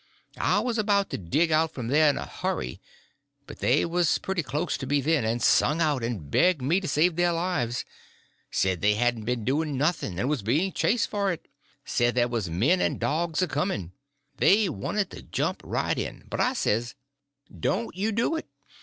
I was about to dig out from there in a hurry, but they was pretty close to me then, and sung out and begged me to save their lives—said they hadn't been doing nothing, and was being chased for it—said there was men and dogs a coming. They wanted to jump right in, but I says: "Don't you do it.